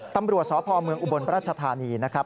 ตำรวจสอพอุบลประชฎานีนะครับ